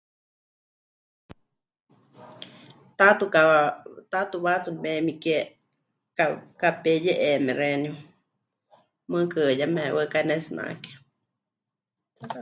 Tatu ka.. taatu waatsu nepemikie, ka... kapé ye'eéme xeeníu, mɨɨkɨ yeme waɨká pɨnetsinake.